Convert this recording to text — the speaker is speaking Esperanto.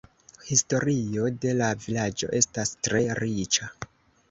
Historio de la vilaĝo estas tre riĉa.